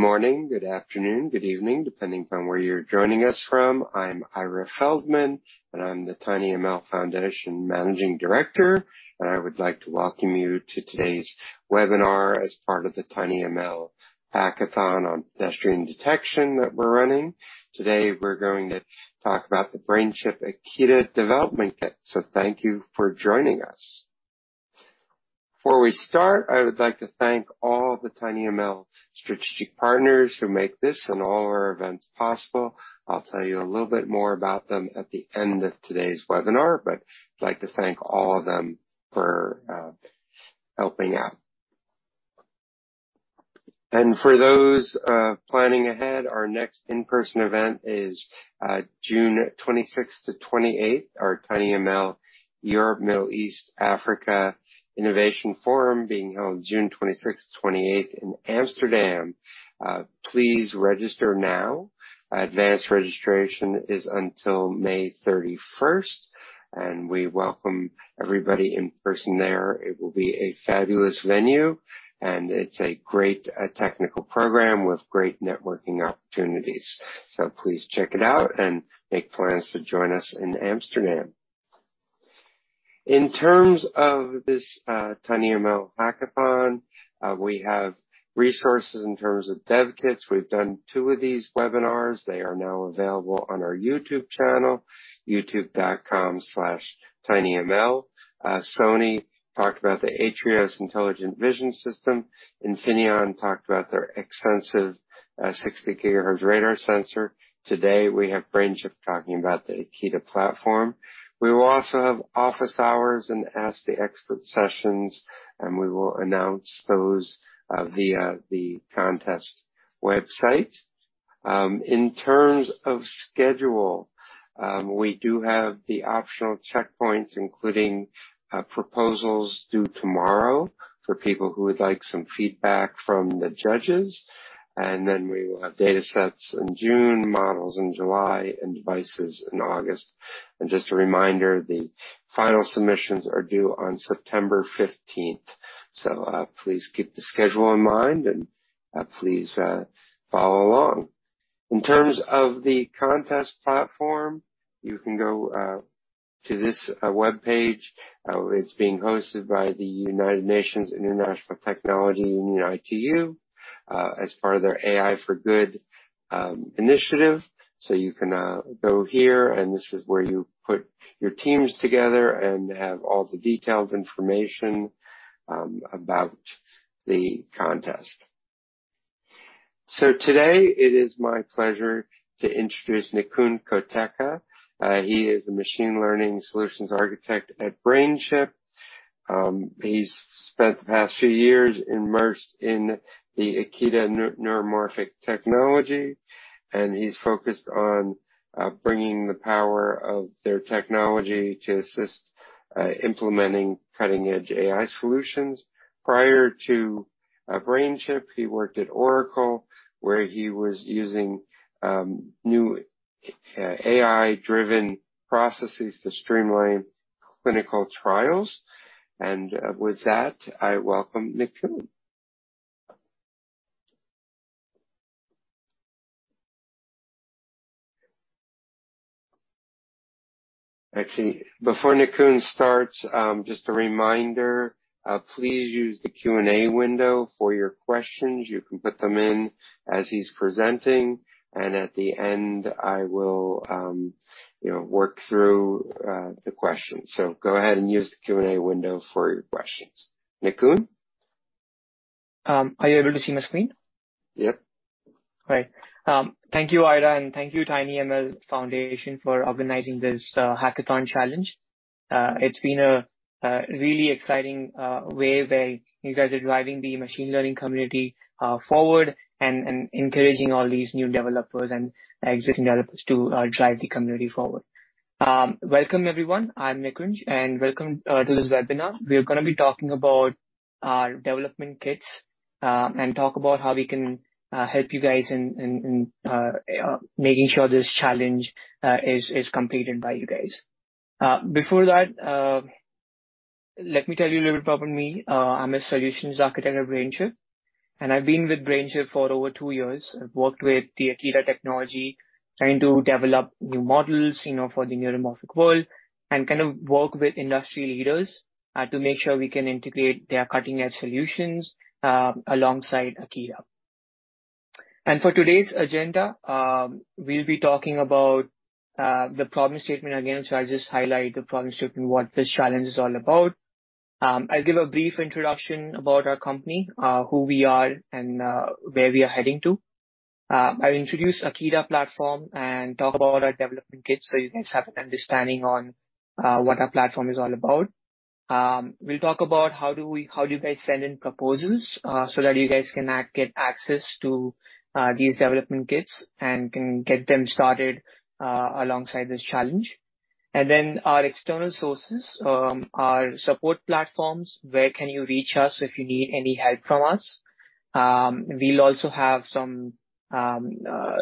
Good morning, good afternoon, good evening, depending upon where you're joining us from. I'm Ira Feldman, I'm the tinyML Foundation Managing Director, I would like to welcome you to today's webinar as part of the tinyML Hackathon on Pedestrian Detection that we're running. Today, we're going to talk about the BrainChip Akida Development Kit. Thank you for joining us. Before we start, I would like to thank all the tinyML strategic partners who make this and all our events possible. I'll tell you a little bit more about them at the end of today's webinar, I'd like to thank all of them for helping out. For those planning ahead, our next in-person event is June 26th-28th. Our tinyML Europe, Middle East, Africa Innovation Forum being held June 26th-28th in Amsterdam. Please register now. Advanced registration is until May 31st. We welcome everybody in person there. It will be a fabulous venue. It's a great technical program with great networking opportunities. Please check it out and make plans to join us in Amsterdam. In terms of this tinyML hackathon, we have resources in terms of dev kits. We've done two of these webinars. They are now available on our YouTube channel, youtube.com/tinyml. Sony talked about the AITRIOS intelligent vision system. Infineon talked about their extensive 60 GHz radar sensor. Today, we have BrainChip talking about the Akida platform. We will also have office hours and ask-the-experts sessions. We will announce those via the contest website. In terms of schedule, we do have the optional checkpoints, including proposals due tomorrow for people who would like some feedback from the judges. We will have datasets in June, models in July, and devices in August. Just a reminder, the final submissions are due on September 15th. Please keep the schedule in mind and please follow along. In terms of the contest platform, you can go to this webpage. It's being hosted by the United Nations International Telecommunication Union (ITU) as part of their AI for Good initiative. You can go here, and this is where you put your teams together and have all the detailed information about the contest. Today it is my pleasure to introduce Nikunj Kotecha. He is a machine learning solutions architect at BrainChip. He's spent the past few years immersed in the Akida Neuromorphic Technology, and he's focused on bringing the power of their technology to assist implementing cutting-edge AI solutions. Prior to BrainChip, he worked at Oracle, where he was using new AI-driven processes to streamline clinical trials. With that, I welcome Nikunj. Actually, before Nikunj starts, just a reminder, please use the Q&A window for your questions. You can put them in as he's presenting, and at the end, I will, you know, work through the questions. Go ahead and use the Q&A window for your questions. Nikunj? Are you able to see my screen? Yep. Great. Thank you, Ira, and thank you, tinyML Foundation, for organizing this hackathon challenge. It's been a really exciting way where you guys are driving the machine learning community forward and encouraging all these new developers and existing developers to drive the community forward. Welcome, everyone. I'm Nikunj. Welcome to this webinar. We're gonna be talking about our development kits and talk about how we can help you guys in making sure this challenge is completed by you guys. Before that, let me tell you a little bit about me. I'm a solutions architect at BrainChip. I've been with BrainChip for over two years. I've worked with the Akida technology, trying to develop new models, you know, for the neuromorphic world and kind of work with industry leaders, to make sure we can integrate their cutting-edge solutions alongside Akida. For today's agenda, we'll be talking about the problem statement again. I'll just highlight the problem statement, what this challenge is all about. I'll give a brief introduction about our company, who we are, and where we are heading to. I'll introduce Akida platform and talk about our development kit so you guys have an understanding on what our platform is all about. We'll talk about how do you guys send in proposals so that you guys can get access to these development kits and can get them started alongside this challenge. Our external sources, our support platforms, where can you reach us if you need any help from us. We'll also have some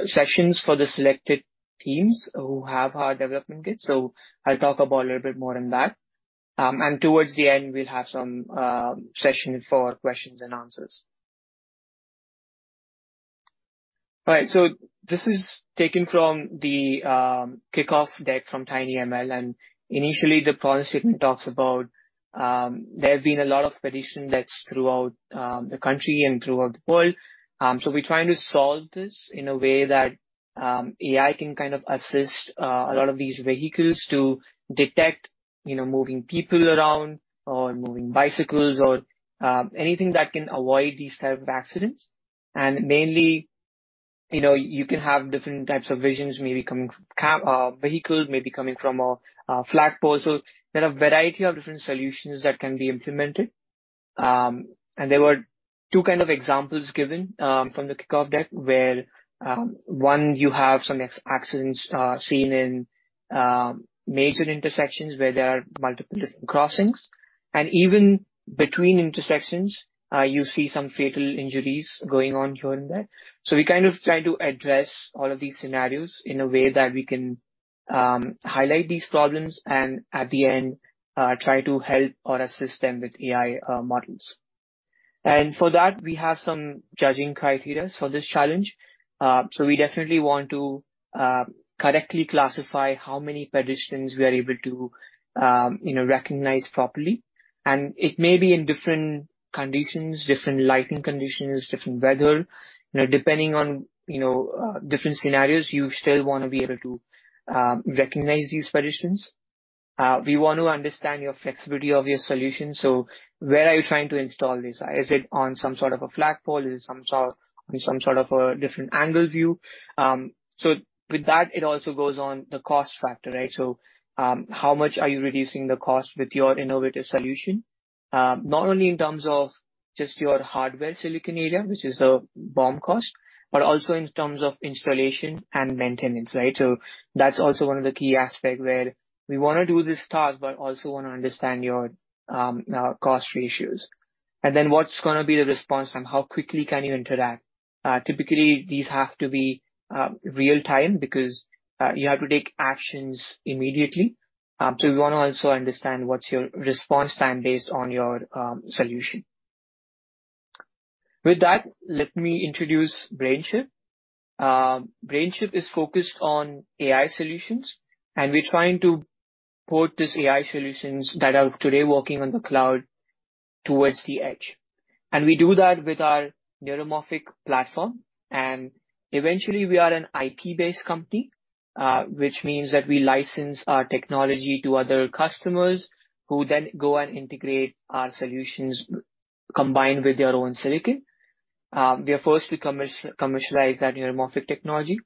sessions for the selected teams who have our development kit. I'll talk about a little bit more on that. Towards the end we'll have some session for questions and answers. All right, this is taken from the kickoff deck from tinyML. Initially the problem statement talks about there have been a lot of pedestrian deaths throughout the country and throughout the world. We're trying to solve this in a way that AI can kind of assist a lot of these vehicles to detect, you know, moving people around or moving bicycles or anything that can avoid these type of accidents. Mainly, you know, you can have different types of visions, maybe coming from vehicle, maybe coming from a flagpole. There are a variety of different solutions that can be implemented. There were two kind of examples given from the kickoff deck where one, you have some accidents seen in major intersections where there are multiple different crossings, and even between intersections, you see some fatal injuries going on here and there. We kind of try to address all of these scenarios in a way that we can highlight these problems and at the end, try to help or assist them with AI models. For that, we have some judging criteria for this challenge. We definitely want to correctly classify how many pedestrians we are able to, you know, recognize properly. It may be in different conditions, different lighting conditions, different weather. You know, depending on, you know, different scenarios, you still wanna be able to recognize these pedestrians. We want to understand your flexibility of your solution. Where are you trying to install this? Is it on some sort of a flagpole? Is it on some sort of a different angle view? With that, it also goes on the cost factor, right? How much are you reducing the cost with your innovative solution, not only in terms of just your hardware silicon area, which is the BOM cost, but also in terms of installation and maintenance, right? That's also one of the key aspect where we wanna do this task, but also wanna understand your cost ratios. What's gonna be the response time? How quickly can you interact? Typically these have to be real time because you have to take actions immediately. We wanna also understand what's your response time based on your solution. With that, let me introduce BrainChip. BrainChip is focused on AI solutions, and we're trying to put these AI solutions that are today working on the cloud towards the edge. We do that with our neuromorphic platform, and eventually we are an IP-based company, which means that we license our technology to other customers who then go and integrate our solutions combined with their own silicon. We are first to commercialize that neuromorphic technology.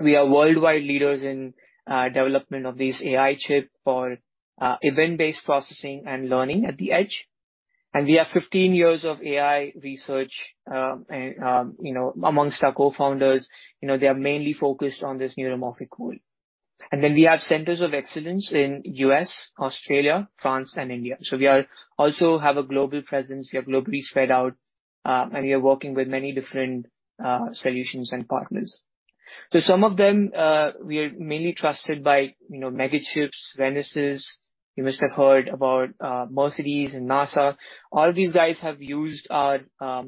We are worldwide leaders in development of these AI chip for event-based processing and learning at the edge. We have 15 years of AI research, and, you know, amongst our co-founders. You know, they are mainly focused on this neuromorphic role. We have centers of excellence in U.S., Australia, France and India. We also have a global presence. We are globally spread out, and we are working with many different solutions and partners. Some of them, we are mainly trusted by, you know, MegaChips, Renesas. You must have heard about Mercedes and NASA. All these guys have used our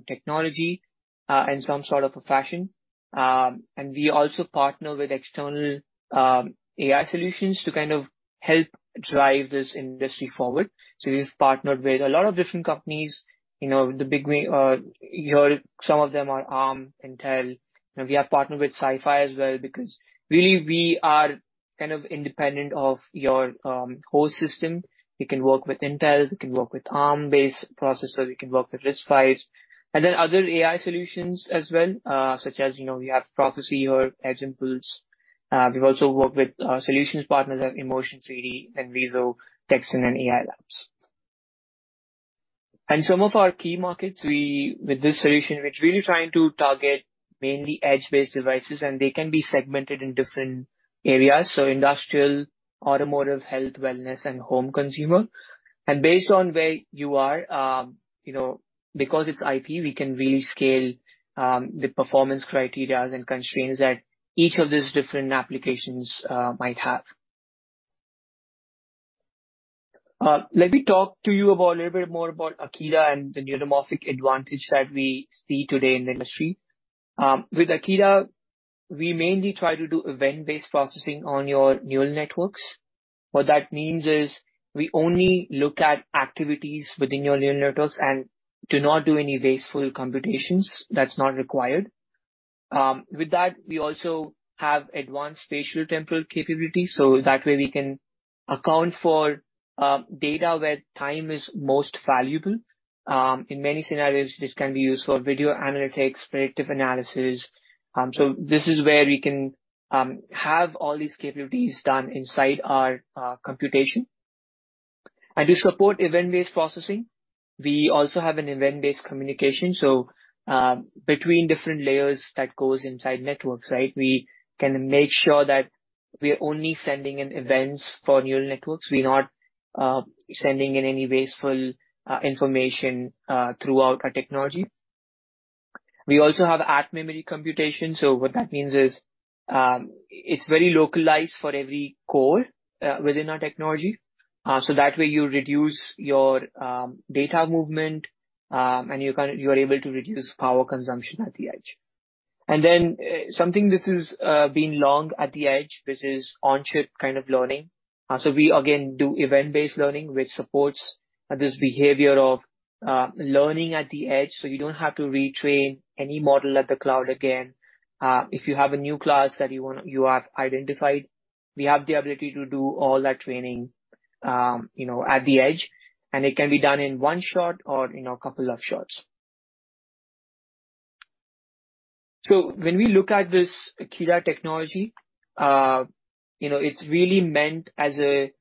technology in some sort of a fashion. We also partner with external AI solutions to kind of help drive this industry forward. We've partnered with a lot of different companies, you know, the big name. Some of them are Arm, Intel. You know, we have partnered with SiFive as well because really we are kind of independent of your host system. We can work with Intel, we can work with Arm-based processors, we can work with RISC-Vies. Other AI solutions as well, such as, you know, we have Prophesee or Edge Impulse. We've also worked with solutions partners at emotion3D and Viso, Texon and AI Labs. Some of our key markets, with this solution, we're really trying to target mainly edge-based devices, and they can be segmented in different areas. Industrial, automotive, health, wellness, and home consumer. Based on where you are, you know, because it's IP, we can really scale the performance criteria and constraints that each of these different applications might have. Let me talk to you about a little bit more about Akida and the neuromorphic advantage that we see today in the industry. With Akida, we mainly try to do event-based processing on your neural networks. What that means is we only look at activities within your neural networks and do not do any wasteful computations that's not required. With that, we also have advanced spatiotemporal capability, so that way we can account for data where time is most valuable. In many scenarios, this can be used for video analytics, predictive analysis. This is where we can have all these capabilities done inside our computation. To support event-based processing, we also have an event-based communication. Between different layers that goes inside networks, right? We can make sure that we're only sending in events for neural networks. We're not sending in any wasteful information throughout our technology. We also have at-memory computation. What that means is, it's very localized for every core within our technology. So that way you reduce your data movement, and you are able to reduce power consumption at the edge. Then, something this is been long at the edge, which is on-chip kind of learning. So we again do event-based learning, which supports this behavior of learning at the edge, so you don't have to retrain any model at the cloud again. If you have a new class that you want. You have identified, we have the ability to do all that training, you know, at the edge, and it can be done in one shot or, you know, a couple of shots. When we look at this Akida technology, you know, it's really meant as a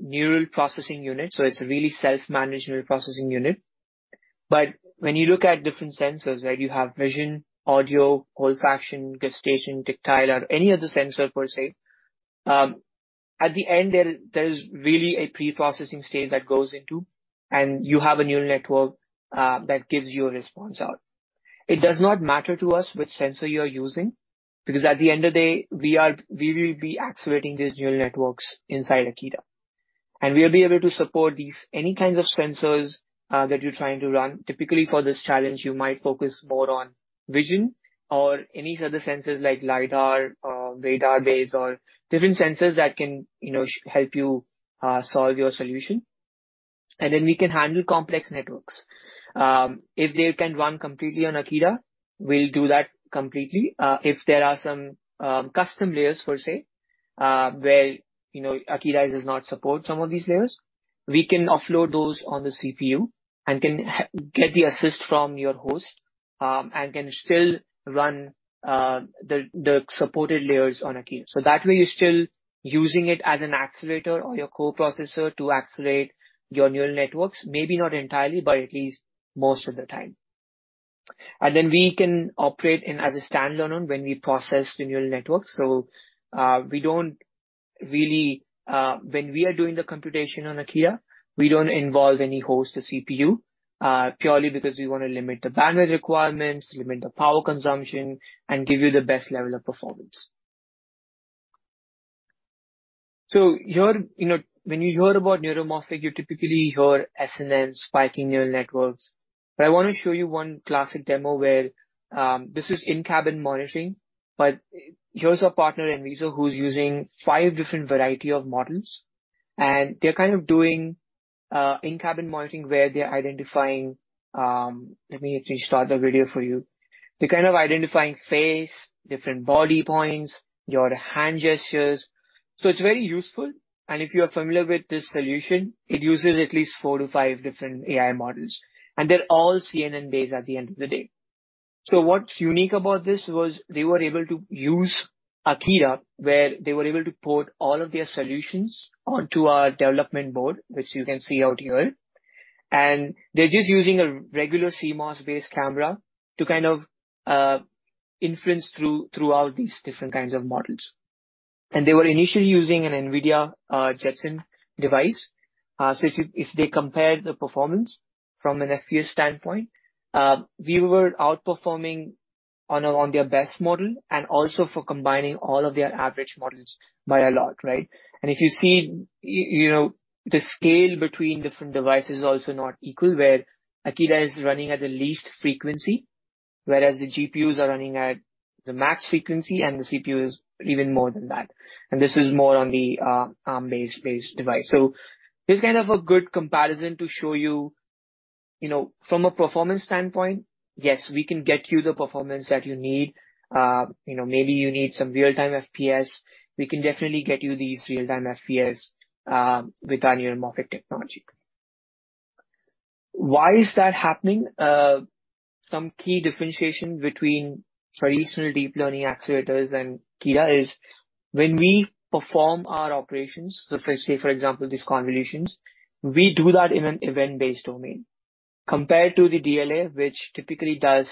neural processing unit, so it's a really self-managed neural processing unit. When you look at different sensors, right, you have vision, audio, olfaction, gustation, tactile or any other sensor per se, at the end, there is really a pre-processing stage that goes into, and you have a neural network, that gives you a response out. It does not matter to us which sensor you're using, because at the end of the day, we will be activating these neural networks inside Akida. We'll be able to support these, any kinds of sensors that you're trying to run. Typically, for this challenge, you might focus more on vision or any other sensors like lidar or radar-based or different sensors that can, you know, help you solve your solution. Then we can handle complex networks. If they can run completely on Akida, we'll do that completely. If there are some custom layers per se, where, you know, Akida does not support some of these layers, we can offload those on the CPU and can get the assist from your host and can still run the supported layers on Akida. So that way you're still using it as an accelerator or your co-processor to accelerate your neural networks, maybe not entirely, but at least most of the time. We can operate in as a standalone when we process the neural network. We don't really, when we are doing the computation on Akida, we don't involve any host or CPU, purely because we wanna limit the bandwidth requirements, limit the power consumption, and give you the best level of performance. Here, you know, when you hear about neuromorphic, you typically hear SNN, Spiking Neural Networks. I wanna show you one classic demo where this is in-cabin monitoring. Here's our partner, NVISO, who's using five different variety of models, and they're kind of doing in-cabin monitoring, where they're identifying. Let me actually start the video for you. They're kind of identifying face, different body points, your hand gestures, it's very useful. If you are familiar with this solution, it uses at least four to five different AI models, and they're all CNN-based at the end of the day. What's unique about this was they were able to use Akida, where they were able to port all of their solutions onto our development board, which you can see out here. They're just using a regular CMOS-based camera to kind of influence throughout these different kinds of models. They were initially using an NVIDIA Jetson device. If they compare the performance from an FPS standpoint, we were outperforming on their best model and also for combining all of their average models by a lot, right? If you see, you know, the scale between different devices is also not equal, where Akida is running at the least frequency, whereas the GPUs are running at the max frequency, and the CPU is even more than that. This is more on the Arm-based device. This is kind of a good comparison to show you know, from a performance standpoint, yes, we can get you the performance that you need. You know, maybe you need some real-time FPS. We can definitely get you these real-time FPS with our neuromorphic technology. Why is that happening? Some key differentiation between traditional deep learning accelerators and Akida is when we perform our operations, so if I say for example these convolutions, we do that in an event-based domain. Compared to the DLA, which typically does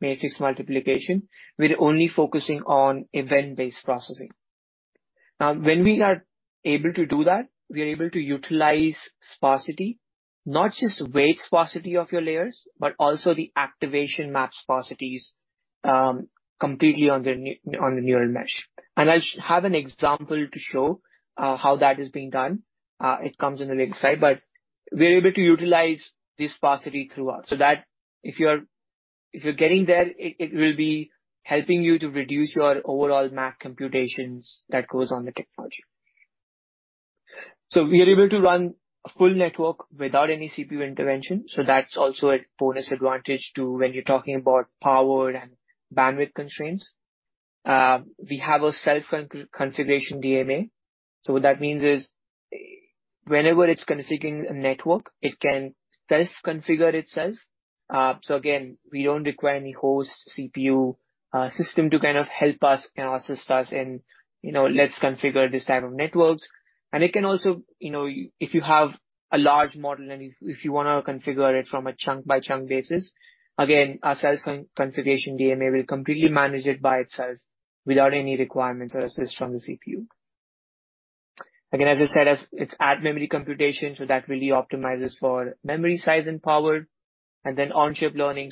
matrix multiplication, we're only focusing on event-based processing. Now, when we are able to do that, we are able to utilize sparsity, not just weight sparsity of your layers, but also the activation map sparsities, completely on the neural mesh. I have an example to show how that is being done. It comes in a little slide. We're able to utilize the sparsity throughout, so that if you're, if you're getting there, it will be helping you to reduce your overall math computations that goes on the technology. We are able to run a full network without any CPU intervention, so that's also a bonus advantage to when you're talking about power and bandwidth constraints. We have a self-configuration DMA. What that means is whenever it's configuring a network, it can self-configure itself. Again, we don't require any host CPU system to kind of help us and assist us in, you know, let's configure this type of networks. It can also, you know, if you have a large model and if you wanna configure it from a chunk-by-chunk basis, again, our self-configuration DMA will completely manage it by itself without any requirements or assist from the CPU. Again, as I said, as it's add memory computation, that really optimizes for memory size and power and then on-chip learning.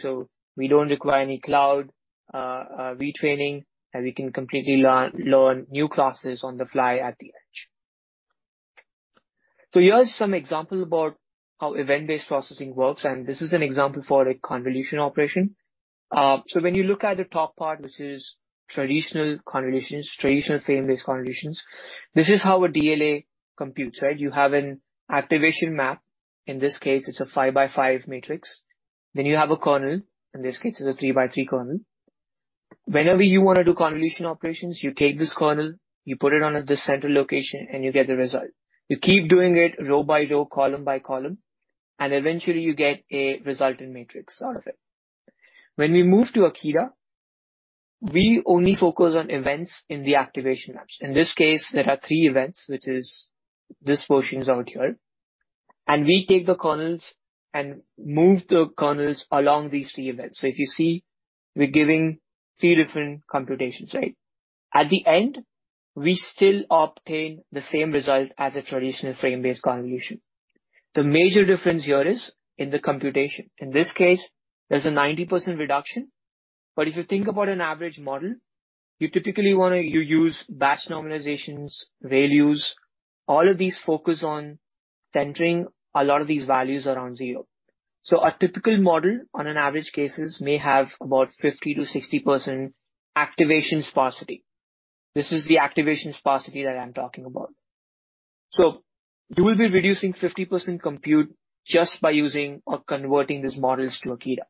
We don't require any cloud retraining, and we can completely learn new classes on the fly at the edge. Here are some examples about how event-based processing works. This is an example for a convolution operation. When you look at the top part, which is traditional convolutions, traditional frame-based convolutions, this is how a DLA computes, right? You have an activation map. In this case, it's a 5x5 matrix. You have a kernel. In this case, it's a 3x3 kernel. Whenever you wanna do convolution operations, you take this kernel, you put it on at the center location, and you get the result. You keep doing it row by row, column by column, and eventually you get a resultant matrix out of it. When we move to Akida, we only focus on events in the activation maps. In this case, there are 3 events, which is this portion is out here, and we take the kernels and move the kernels along these 3 events. If you see, we're giving 3 different computations, right? At the end, we still obtain the same result as a traditional frame-based convolution. The major difference here is in the computation. In this case, there's a 90% reduction, but if you think about an average model, you typically use batch normalizations, ReLUs, all of these focus on centering a lot of these values around zero. A typical model on an average cases may have about 50%-60% activation sparsity. This is the activation sparsity that I'm talking about. You will be reducing 50% compute just by using or converting these models to Akida.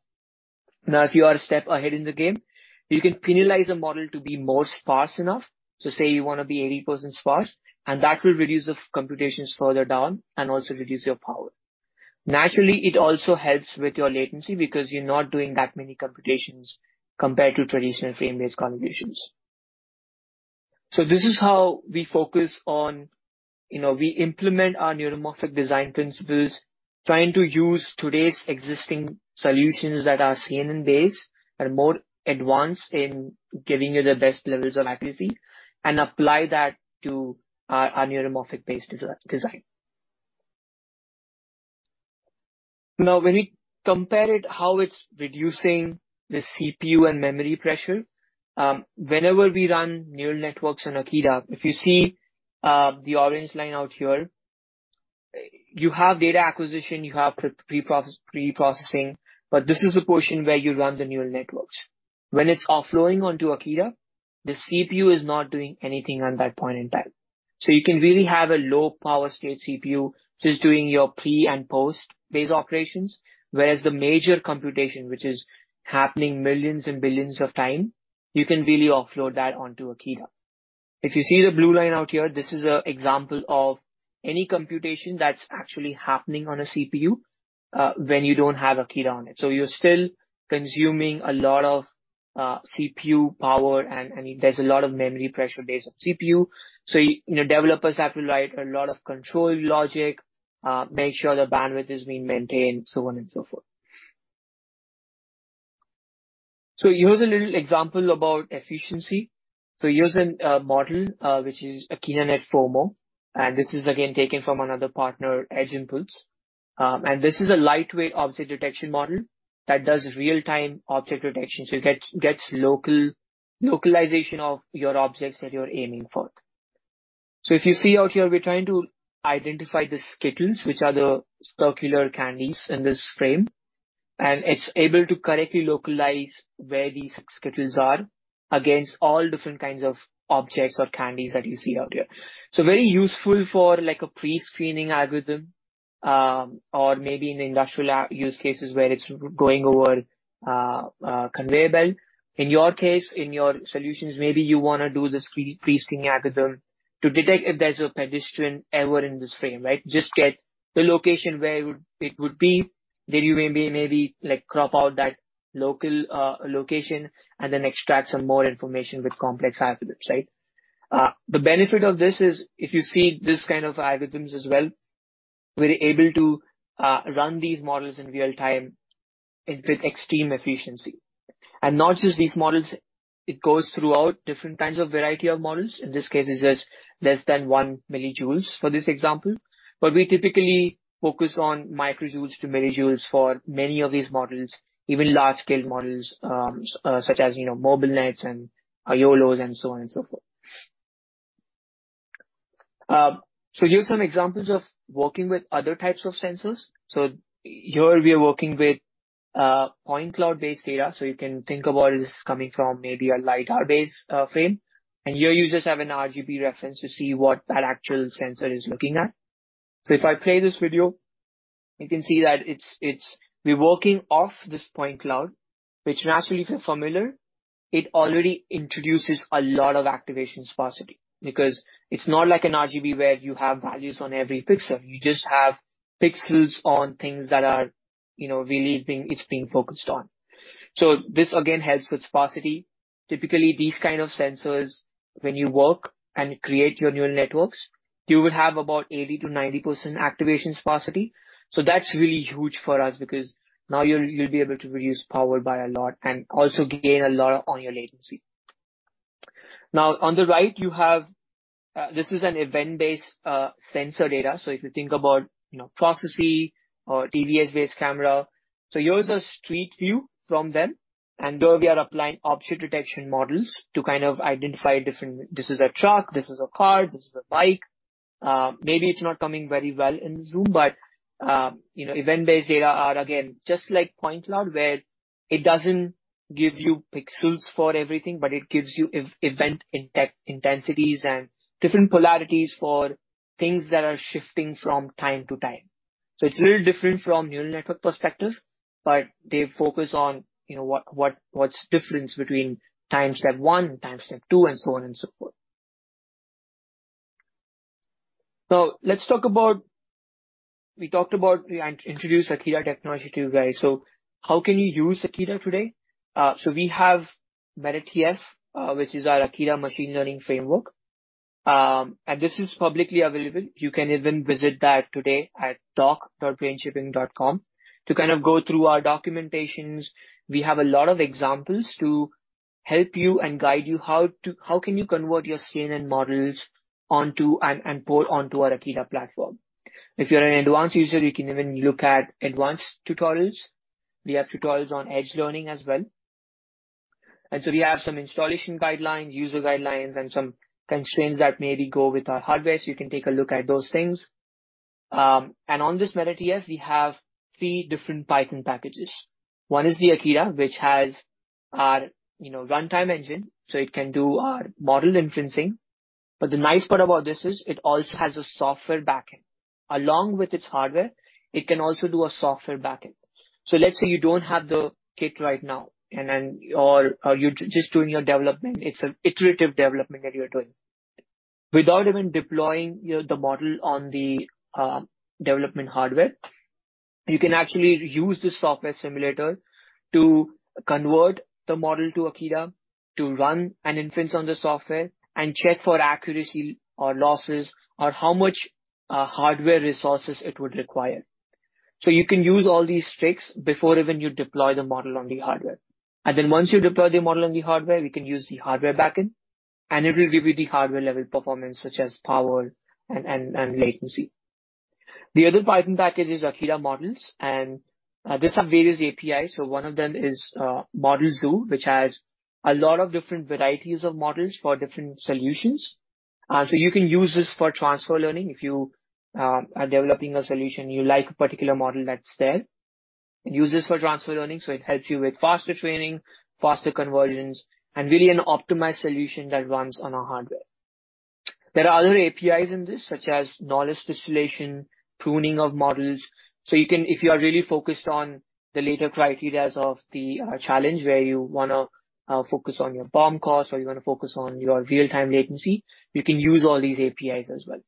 Now, if you are a step ahead in the game, you can penalize a model to be more sparse enough. Say you wanna be 80% sparse, and that will reduce the computations further down and also reduce your power. Naturally, it also helps with your latency because you're not doing that many computations compared to traditional frame-based convolutions. This is how we focus on, you know, we implement our neuromorphic design principles, trying to use today's existing solutions that are CNN-based and more advanced in giving you the best levels of accuracy and apply that to our neuromorphic-based design. When we compare it, how it's reducing the CPU and memory pressure, whenever we run neural networks on Akida, if you see the orange line out here, you have data acquisition, you have preprocessing, but this is the portion where you run the neural networks. When it's offloading onto Akida, the CPU is not doing anything on that point in time. You can really have a low power state CPU just doing your pre- and post-based operations, whereas the major computation, which is happening millions and billions of time, you can really offload that onto Akida. If you see the blue line out here, this is a example of any computation that's actually happening on a CPU when you don't have Akida on it. You're still consuming a lot of CPU power and there's a lot of memory pressure based on CPU. You know, developers have to write a lot of control logic, make sure the bandwidth is being maintained, so on and so forth. Here's a little example about efficiency. Here's an model which is Akid Net/FOMO, and this is again taken from another partner, Edge Impulse. This is a lightweight object detection model that does real-time object detection. It gets localization of your objects that you're aiming for. If you see out here, we're trying to identify the Skittles, which are the circular candies in this frame, and it's able to correctly localize where these Skittles are against all different kinds of objects or candies that you see out here. Very useful for like a pre-screening algorithm, or maybe in industrial use cases where it's going over a conveyor belt. In your case, in your solutions, maybe you wanna do this pre-screening algorithm to detect if there's a pedestrian ever in this frame, right? Just get the location where it would be. You maybe like crop out that local location and then extract some more information with complex algorithms, right? The benefit of this is if you see these kind of algorithms as well, we're able to run these models in real-time with extreme efficiency. Not just these models, it goes throughout different kinds of variety of models. In this case, it's just less than 1 mJ for this example. We typically focus on microjoules to millijoules for many of these models, even large-scale models, such as, you know, MobileNets and YOLOS and so on and so forth. Here are some examples of working with other types of sensors. Here we are working with point cloud-based data. You can think about this coming from maybe a LiDAR-based frame. Here you just have an RGB reference to see what that actual sensor is looking at. If I play this video, you can see that it's... we're working off this point cloud, which naturally if you're familiar, it already introduces a lot of activation sparsity because it's not like an RGB where you have values on every pixel. You just have pixels on things that are, you know, really being focused on. This again helps with sparsity. Typically, these kind of sensors, when you work and you create your neural networks, you will have about 80%-90% activation sparsity. That's really huge for us because now you'll be able to reduce power by a lot and also gain a lot on your latency. Now on the right you have, this is an Event-based sensor data. If you think about, you know, processing or DVS-based camera. Here's a street view from them. Though we are applying object detection models to kind of identify different... This is a truck, this is a car, this is a bike. Maybe it's not coming very well in Zoom, you know, Event-based data are again, just like point cloud, where it doesn't give you pixels for everything, but it gives you event intensities and different polarities for things that are shifting from time to time. It's a little different from neural network perspective, but they focus on, you know, what's difference between timestamp 1, timestamp 2, and so on and so forth. We talked about and introduced Akida technology to you guys. How can you use Akida today? We have MetaTF, which is our Akida Machine Learning Framework. This is publicly available. You can even visit that today at doc.brainchip.com to kind of go through our documentations. We have a lot of examples to help you and guide you. How can you convert your CNN models onto and port onto our Akida platform? If you're an advanced user, you can even look at advanced tutorials. We have tutorials on edge learning as well. We have some installation guidelines, user guidelines, and some constraints that maybe go with our hardware, so you can take a look at those things. On this MetaTF we have three different Python packages. One is the Akida, which has our, you know, runtime engine, so it can do our model inferencing. The nice part about this is it also has a software backend. Along with its hardware, it can also do a software backend. Let's say you don't have the kit right now and then or you're just doing your development. It's an iterative development that you're doing. Without even deploying your, the model on the development hardware, you can actually use the software simulator to convert the model to Akida to run an inference on the software and check for accuracy or losses or how much hardware resources it would require. You can use all these tricks before even you deploy the model on the hardware. Once you deploy the model on the hardware, we can use the hardware backend, and it will give you the hardware-level performance such as power and latency. The other Python package is Akida Models, these have various APIs. One of them is Model zoo, which has a lot of different varieties of models for different solutions. You can use this for transfer learning. If you are developing a solution, you like a particular model that's there, use this for transfer learning, so it helps you with faster training, faster conversions, and really an optimized solution that runs on our hardware. There are other APIs in this, such as knowledge distillation, pruning of models. If you are really focused on the later criterias of the challenge, where you wanna focus on your BOM cost or you wanna focus on your real-time latency, you can use all these APIs as well.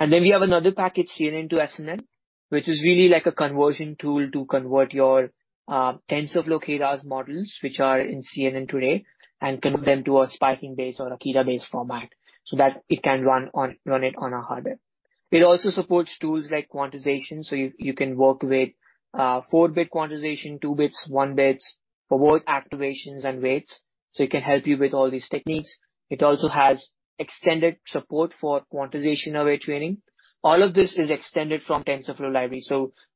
We have another package, CNN to SNN, which is really like a conversion tool to convert your TensorFlow Keras models, which are in CNN today, and convert them to a Spiking-based or Akida-based format so that it can run it on our hardware. It also supports tools like quantization, so you can work with 4-bit quantization, 2 bits, 1 bit for both activations and weights. It can help you with all these techniques. It also has extended support for quantization-aware training. All of this is extended from TensorFlow library.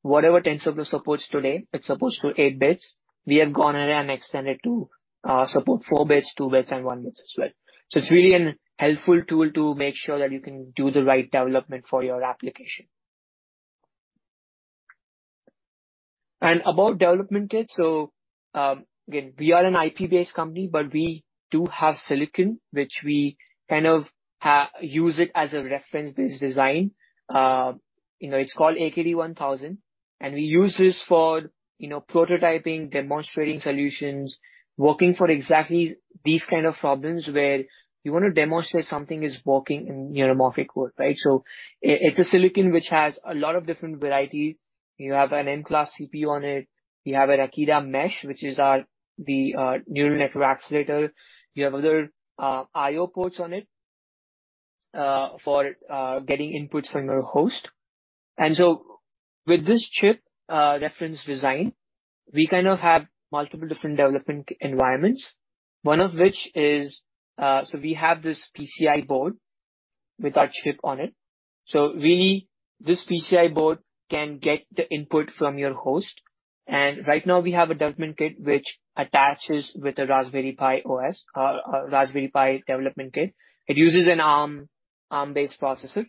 Whatever TensorFlow supports today, it supports to 8 bits. We have gone ahead and extended to support 4 bits, 2 bits, and 1 bit as well. It's really an helpful tool to make sure that you can do the right development for your application. About development kit. Again, we are an IP-based company, but we do have silicon, which we kind of use it as a reference-based design. you know, it's called AKD1000, and we use this for, you know, prototyping, demonstrating solutions, working for exactly these kind of problems where you wanna demonstrate something is working in neuromorphic code, right? It's a silicon which has a lot of different varieties. You have an M-class CPU on it. You have an Akida mesh, which is our, the neural network accelerator. You have other IO ports on it for getting inputs from your host. With this chip reference design, we kind of have multiple different development environments. One of which is so we have this PCI board with our chip on it. So really, this PCI board can get the input from your host. Right now we have a development kit which attaches with a Raspberry Pi OS, a Raspberry Pi development kit. It uses an Arm-based processor.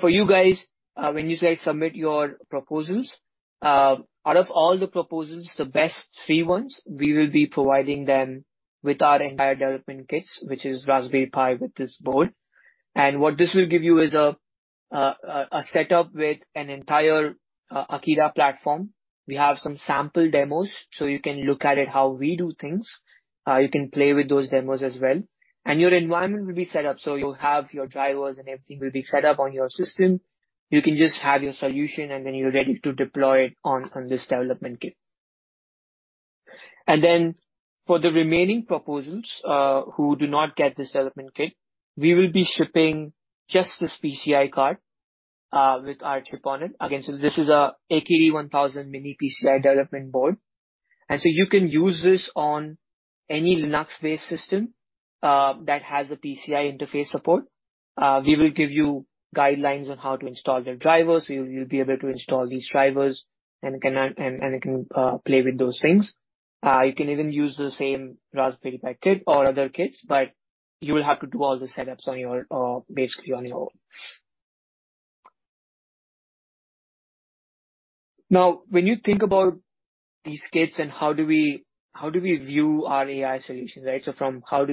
For you guys, when you say submit your proposals, out of all the proposals, the best three ones, we will be providing them with our entire development kits, which is Raspberry Pi with this board. What this will give you is a setup with an entire Akida platform. We have some sample demos, so you can look at it how we do things. You can play with those demos as well. Your environment will be set up. You'll have your drivers and everything will be set up on your system. You can just have your solution, you're ready to deploy it on this development kit. For the remaining proposals, who do not get development kit, we will be shipping just this PCI card with our chip on it. This is a AKD1000 mini PCI development board. You can use this on any Linux-based system that has a PCI interface support. We will give you guidelines on how to install your drivers. You'll be able to install these drivers and you can play with those things. You can even use the same Raspberry Pi kit or other kits, but you will have to do all the setups on your basically on your own. Now, when you think about these kits and how do we view our AI solutions, right? How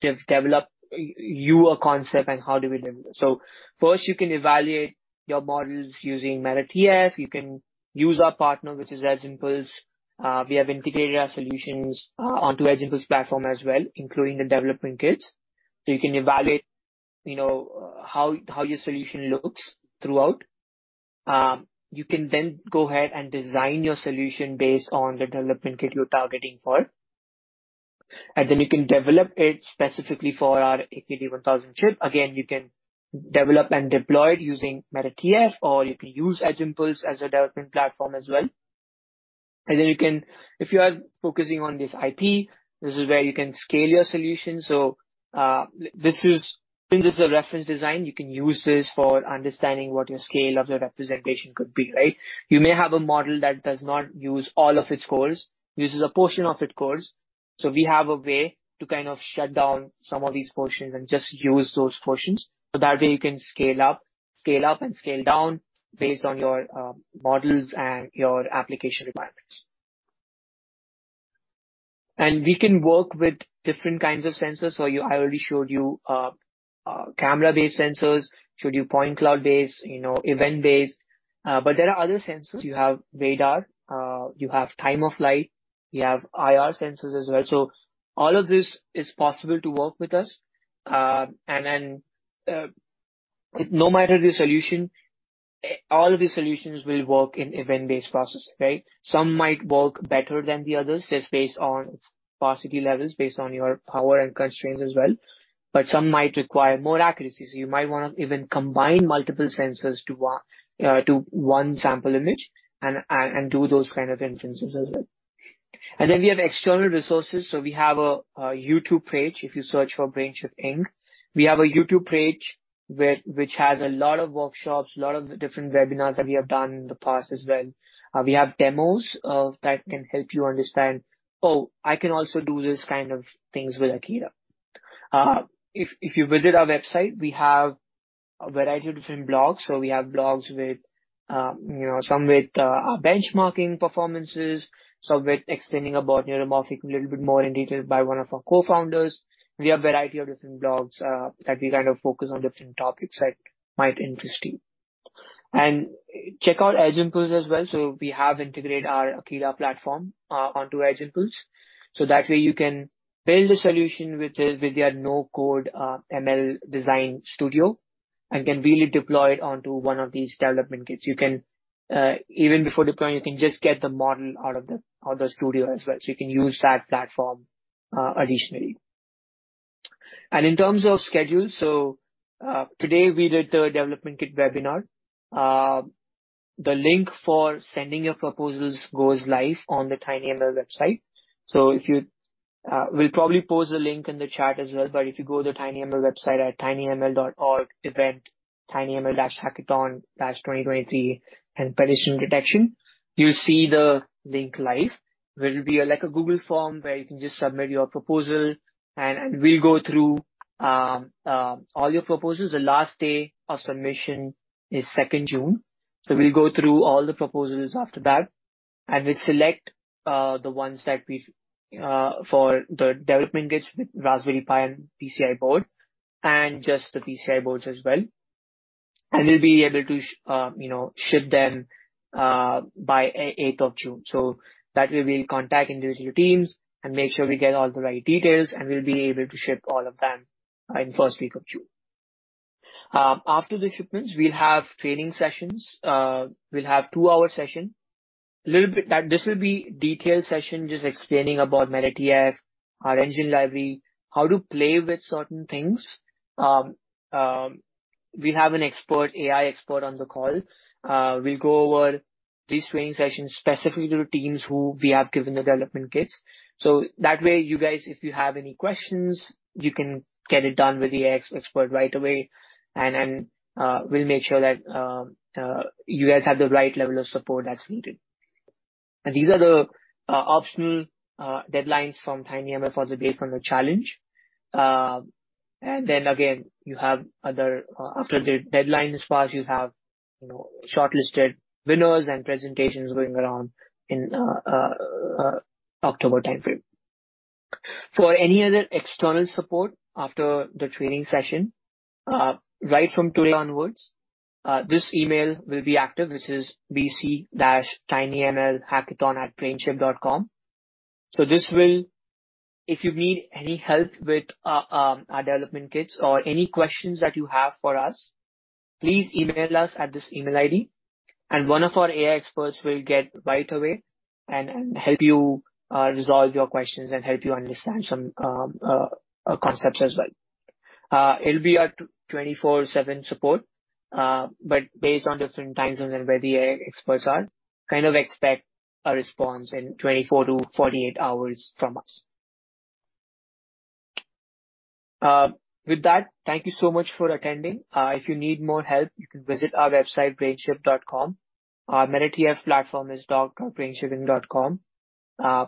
do we develop you a concept and how do we deliver? You can evaluate your models using MetaTF. You can use our partner, which is Edge Impulse. We have integrated our solutions onto Edge Impulse platform as well, including the development kits. You can evaluate, you know, how your solution looks throughout. You can then go ahead and design your solution based on the development kit you're targeting for. You can then develop it specifically for our AKD1000 chip. Again, you can develop and deploy it using MetaTF, or you can use Edge Impulse as a development platform as well. If you are focusing on this IP, this is where you can scale your solution. Since this is a reference design, you can use this for understanding what your scale of the representation could be, right? You may have a model that does not use all of its cores, uses a portion of its cores. We have a way to kind of shut down some of these portions and just use those portions. That way you can scale up and scale down based on your models and your application requirements. We can work with different kinds of sensors. I already showed you camera-based sensors, showed you point cloud-based, you know, event-based. There are other sensors. You have radar, you have time of flight, you have IR sensors as well. All of this is possible to work with us. No matter the solution, all of these solutions will work in event-based process, right? Some might work better than the others, just based on sparsity levels, based on your power and constraints as well. Some might require more accuracy, so you might wanna even combine multiple sensors to one, to one sample image and do those kind of inferences as well. We have external resources. We have a YouTube page, if you search for BrainChip Inc. We have a YouTube page which has a lot of workshops, a lot of the different webinars that we have done in the past as well. We have demos that can help you understand, "Oh, I can also do this kind of things with Aquila." If you visit our website, we have a variety of different blogs. We have blogs with, you know, some with our benchmarking performances, some with explaining about neuromorphic a little bit more in detail by one of our co-founders. We have a variety of different blogs, that we kind of focus on different topics that might interest you. Check out Edge Impulse as well. We have integrated our Aquila platform onto Edge Impulse. That way you can build a solution with the, with their no-code ML design studio, and can really deploy it onto one of these development kits. You can even before deploying, you can just get the model out of the, out of the studio as well. You can use that platform additionally. In terms of schedule, today we did the development kit webinar. The link for sending your proposals goes live on the tinyML website. If you... We'll probably post the link in the chat as well. If you go to the tinyML website at tinyml.org/event/tinyml-hackathon-2023 and pedestrian detection, you'll see the link live. There'll be like a Google Form where you can just submit your proposal and we'll go through all your proposals. The last day of submission is 2nd June. We'll go through all the proposals after that, and we'll select the ones that we've for the development kits with Raspberry Pi and PCI board and just the PCI boards as well. We'll be able to, you know, ship them by 8th June. That way we'll contact individual teams and make sure we get all the right details, and we'll be able to ship all of them in 1st week of June. After the shipments, we'll have training sessions. We'll have two-hour session. This will be detailed session just explaining about MetaTF, our engine library, how to play with certain things. We have an expert, AI expert on the call. We'll go over these training sessions specifically to teams who we have given the development kits. That way you guys, if you have any questions, you can get it done with the AI expert right away. We'll make sure that you guys have the right level of support that's needed. These are the optional deadlines from tinyML for the based on the challenge. Again, you have other after the deadlines pass, you have, you know, shortlisted winners and presentations going around in October timeframe. For any other external support after the training session, right from today onwards, this email will be active, which is bc-tinymlhackathon@brainchip.com. If you need any help with our development kits or any questions that you have for us, please email us at this email ID. One of our AI experts will get right away and help you resolve your questions and help you understand some concepts as well. It'll be a 24/7 support, but based on different time zones and where the AI experts are, kind of expect a response in 24 to 48 hours from us. With that, thank you so much for attending. If you need more help, you can visit our website, brainchip.com. Our MetaTF platform is doc.brainchip.com.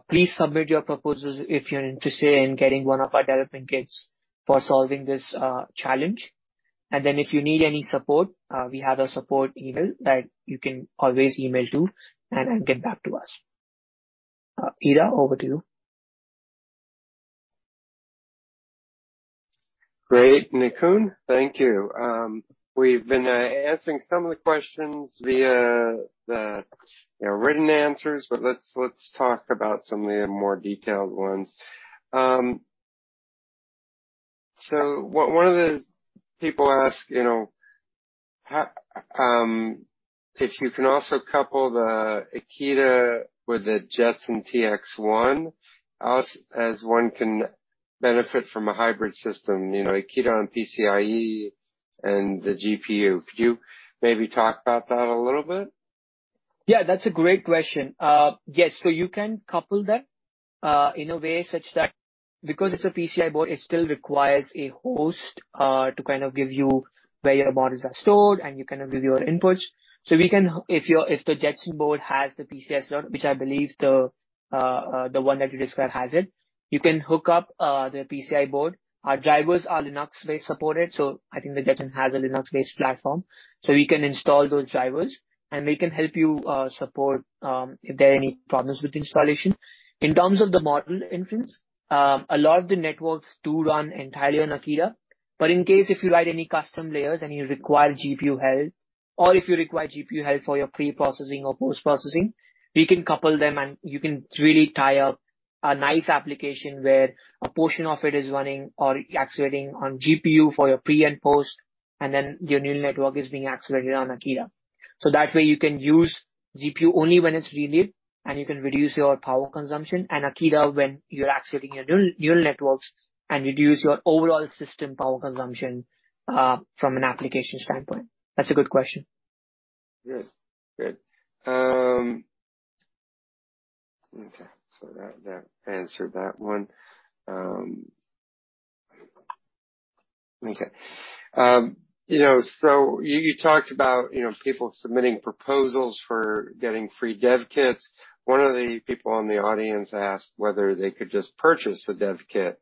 Please submit your proposals if you're interested in getting one of our development kits for solving this challenge. If you need any support, we have a support email that you can always email to and get back to us. Ira, over to you. Great, Nikunj. Thank you. We've been answering some of the questions via the, you know, written answers, but let's talk about some of the more detailed ones. So one of the people ask, you know, if you can also couple the Akida with the Jetson TX1, how as one can benefit from a hybrid system, you know, Akida on PCIe and the GPU. Could you maybe talk about that a little bit? Yeah, that's a great question. Yes. You can couple that in a way such that because it's a PCI board, it still requires a host to kind of give you where your models are stored, and you kind of give your inputs. If the Jetson board has the PCLe slot, which I believe the one that you described has it, you can hook up the PCI board. Our drivers are Linux-based supported, so I think the Jetson has a Linux-based platform. We can install those drivers, and we can help you support if there are any problems with installation. In terms of the model inference, a lot of the networks do run entirely on Akida. In case if you write any custom layers and you require GPU help or if you require GPU help for your pre-processing or post-processing, we can couple them, and you can really tie up a nice application where a portion of it is running or accelerating on GPU for your pre and post, and then your neural network is being accelerated on Akida. That way you can use GPU only when it's really, and you can reduce your power consumption and Akida when you're accelerating your neural networks and reduce your overall system power consumption from an application standpoint. That's a good question. Good. Good. Okay. That, that answered that one. Okay. You know, you talked about, you know, people submitting proposals for getting free dev kits. One of the people in the audience asked whether they could just purchase a dev kit.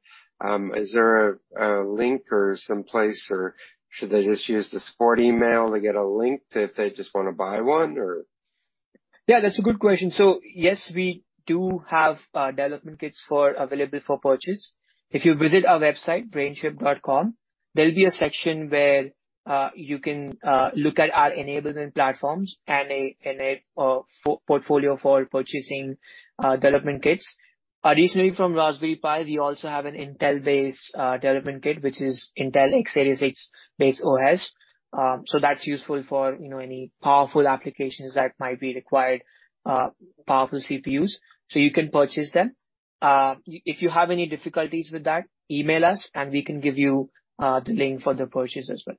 Is there a link or some place, or should they just use the support email to get a link if they just wanna buy one, or? Yeah, that's a good question. Yes, we do have development kits available for purchase. If you visit our website, brainchip.com, there'll be a section where you can look at our enablement platforms and a portfolio for purchasing development kits. Additionally from Raspberry Pi, we also have an Intel-based development kit, which is Intel Core Ultra Series H based OS. That's useful for, you know, any powerful applications that might be required, powerful CPUs. You can purchase them. If you have any difficulties with that, email us, and we can give you the link for the purchase as well.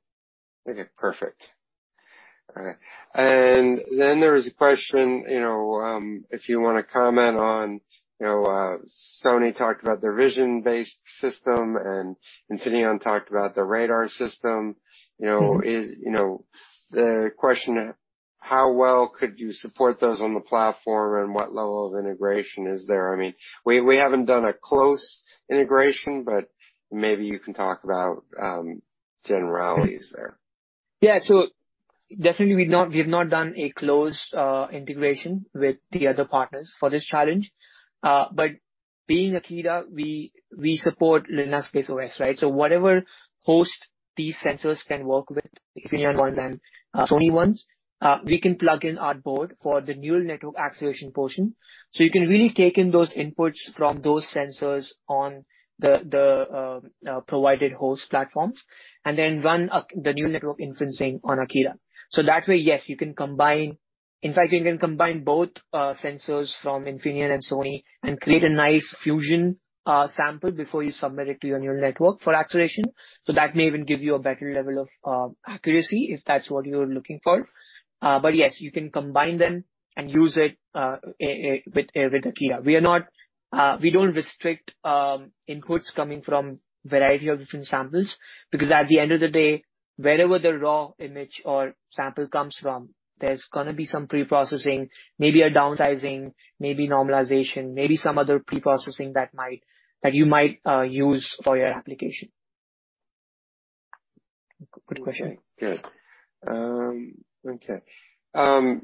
Okay, perfect. All right. Then there was a question, you know, if you wanna comment on, you know, Sony talked about their vision-based system, and Infineon talked about the radar system. You know. Mm-hmm. You know, the question, how well could you support those on the platform, and what level of integration is there? I mean, we haven't done a close integration, but maybe you can talk about generalities there. Definitely we've not, we've not done a closed integration with the other partners for this challenge. Being Akida, we support Linux-based OS, right? Whatever host these sensors can work with, Infineon ones and Sony ones, we can plug in our board for the neural network acceleration portion. You can really take in those inputs from those sensors on the provided host platforms and then run the neural network inferencing on Akida. That way, yes, you can combine both sensors from Infineon and Sony and create a nice fusion sample before you submit it to your neural network for acceleration. That may even give you a better level of accuracy if that's what you're looking for. Yes, you can combine them and use it with Akida. We are not. We don't restrict inputs coming from variety of different samples. At the end of the day, wherever the raw image or sample comes from, there's gonna be some pre-processing, maybe a downsizing, maybe normalization, maybe some other pre-processing that you might use for your application. Good question. Good. Okay.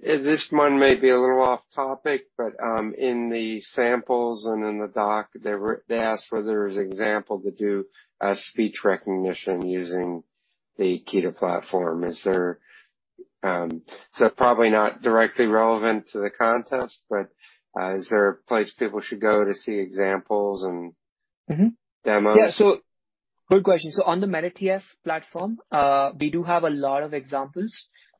This one may be a little off topic, but in the samples and in the doc, they asked whether there's example to do speech recognition using the Akida platform. Is there? Probably not directly relevant to the contest, but is there a place people should go to see examples and- Mm-hmm. -demos? Good question. On the MetaTF platform, we do have a lot of examples.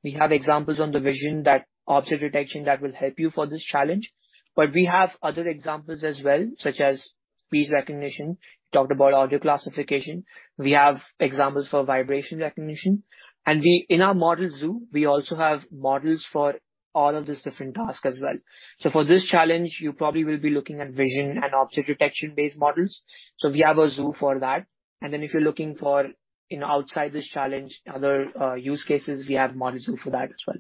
We have examples on the vision that object detection that will help you for this challenge, but we have other examples as well, such as speech recognition. We talked about audio classification. We have examples for vibration recognition. In our Model zoo, we also have models for all of these different tasks as well. For this challenge, you probably will be looking at vision and object detection-based models. We have a zoo for that. If you're looking for, you know, outside this challenge, other use cases, we have Model zoo for that as well.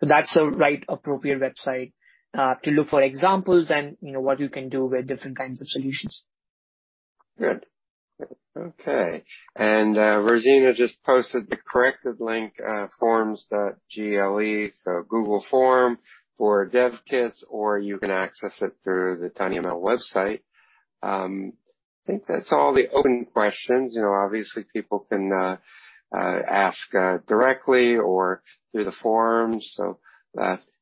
That's the right appropriate website to look for examples and, you know, what you can do with different kinds of solutions. Good. Okay. Rosina just posted the corrected link, forms.gle, so Google Form for dev kits, or you can access it through the tinyML website. I think that's all the open questions. You know, obviously, people can ask directly or through the forum.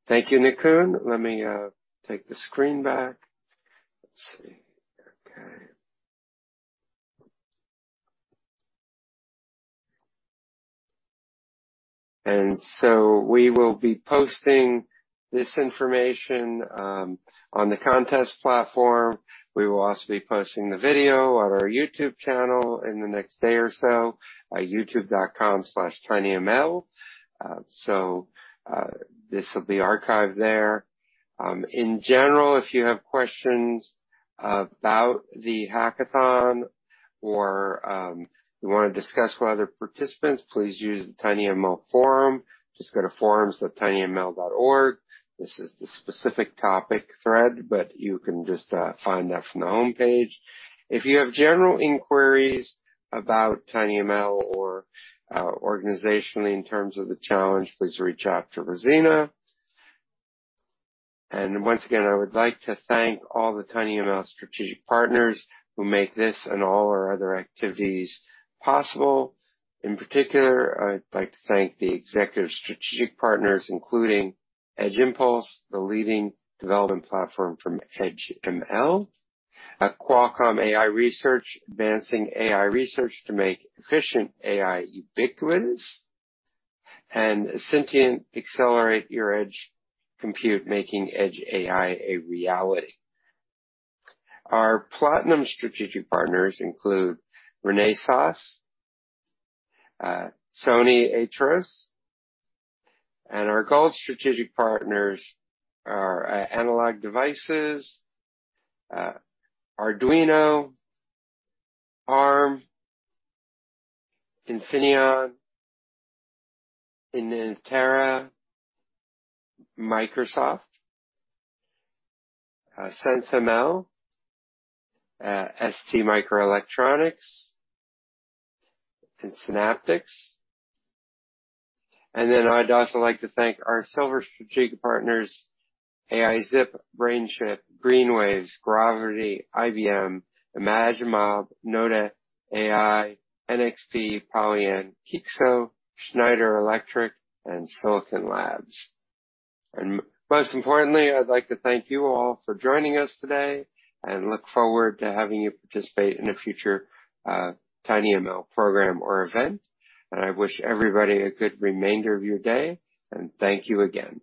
Thank you, Nikun. Let me take the screen back. Let's see. Okay. We will be posting this information on the contest platform. We will also be posting the video on our YouTube channel in the next day or so at youtube.com/tinyml. This will be archived there. In general, if you have questions about the hackathon or you wanna discuss with other participants, please use the tinyML forum. Just go to forums.tinyml.org. This is the specific topic thread, but you can just find that from the homepage. If you have general inquiries about tinyML or organizationally in terms of the challenge, please reach out to Rosina. Once again, I would like to thank all the tinyML strategic partners who make this and all our other activities possible. In particular, I'd like to thank the executive strategic partners, including Edge Impulse, the leading development platform from Edge ML. Qualcomm AI Research, advancing AI research to make efficient AI ubiquitous. Syntiant, accelerate your edge compute, making edge AI a reality. Our platinum strategic partners include Renesas, Sony AITRIOS. Our gold strategic partners are Analog Devices, Arduino, Arm, Infineon, Innatera, Microsoft, SensiML, STMicroelectronics, and Synaptics. I'd also like to thank our silver strategic partners, Aizip, BrainChip, GreenWaves, Graviti, IBM, Imagimob, Nota AI, NXP, Polyan, Kioxia, Schneider Electric, and Silicon Labs. Most importantly, I'd like to thank you all for joining us today and look forward to having you participate in a future tinyML program or event. I wish everybody a good remainder of your day, and thank you again.